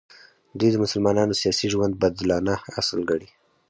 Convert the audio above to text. دوی د مسلمانانو سیاسي ژوند بدلانه اصل ګڼي.